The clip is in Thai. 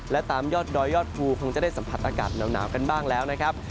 และตามยอดดอยยอดภูคงจะได้สัมผัสอากาศหนาวกันบ้างแล้วนะครับ